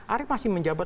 arief masih menjabat